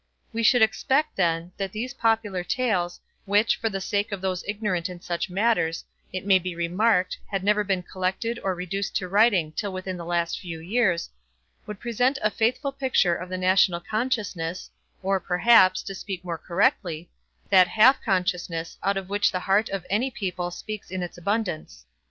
We should expect, then, that these Popular Tales, which, for the sake of those ignorant in such matters, it may be remarked, had never been collected or reduced to writing till within the last few years, would present a faithful picture of the national consciousness, or, perhaps, to speak more correctly, of that half consciousness out of which the heart of any people speaks in its abundance.